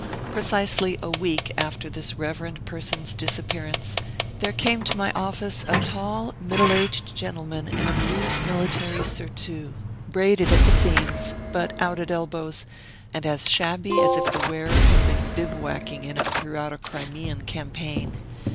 Precisely a week after this reverend person's disappearance, there came to my office a tall, middle aged gentleman in a blue military surtout, braided at the seams, but out at elbows, and as shabby as if the wearer had been bivouacking in it throughout a Crimean campaign.